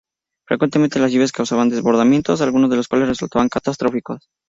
Frecuentemente las lluvias causaban desbordamientos, algunos de los cuales resultaron catastróficos.